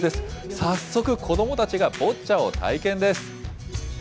早速、子どもたちがボッチャを体験です。